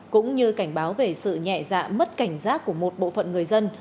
cũng như cảnh báo về sự nhẹ dạ mất cảnh giác của một bộ phận người dân